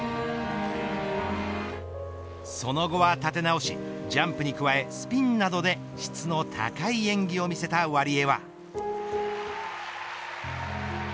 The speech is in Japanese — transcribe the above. その後は立て直しジャンプに加えスピンなどで質の高い演技を見せたワリエワ。